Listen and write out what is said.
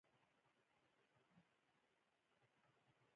رڼا په کمو موادو کې په تېزۍ حرکت کوي.